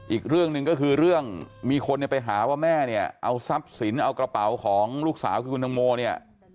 อีกเรื่องหนึ่งก็คือเรื่องมีคนเนี่ยไปหาว่าแม่เนี่ยเอาทรัพย์สินเอากระเป๋าของลูกสาวคือคุณตังโมเนี่ย